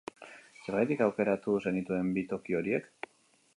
Zergatik aukeratu zenituen bi toki horiek?